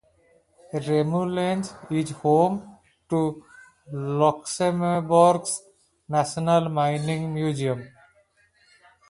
Rumelange is home to Luxembourg's National Mining Museum.